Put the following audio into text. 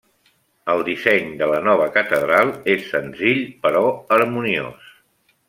El disseny de la nova catedral és senzill, però harmoniós.